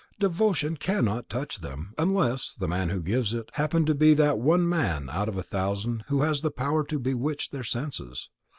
Devotion cannot touch them, unless the man who gives it happen to be that one man out of a thousand who has the power to bewitch their senses.